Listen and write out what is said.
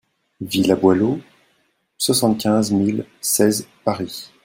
Villa Boileau, soixante-quinze mille seize Paris